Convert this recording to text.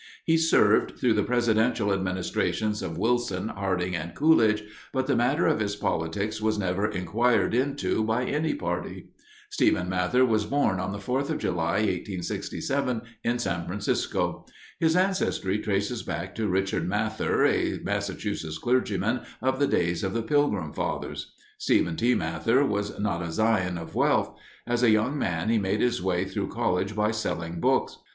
He served through the presidential administrations of Wilson, Harding, and Coolidge, but the matter of his politics was never inquired into by any party. Stephen Mather was born on the Fourth of July, 1867, in San Francisco. His ancestry traces back to Richard Mather, a Massachusetts clergyman of the days of the Pilgrim Fathers. Stephen T. Mather was not a scion of wealth. As a young man, he made his way through college by selling books.